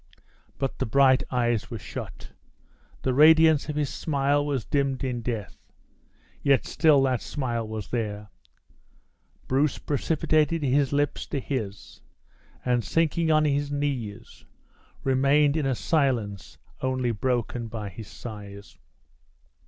But the bright eyes were shut; the radiance of his smile was dimmed in death, yet still that smile was there. Bruce precipitated his lips to his, and sinking on his knees, remained in a silence only broken by his sighs.